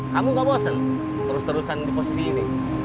kamu gak bosen terus terusan di posisi ini